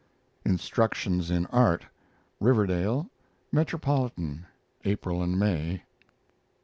INSTRUCTIONS IN ART (Riverdale) Metropolitan, April and May.